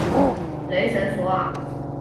雷神索尔。